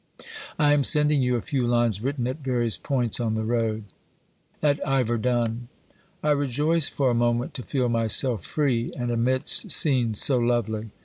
I am sending you a few lines written at various points on the road. At Iverdun. I rejoiced for a moment to feel myself free and amidst scenes so lovely.